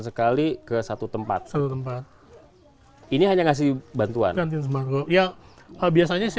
sekali ke satu tempat satu tempat ini hanya ngasih bantuan ya ten transmission danta yg ya bye